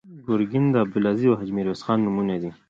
ګرګین د عبدالعزیز او حاجي میرویس خان نومونه دي.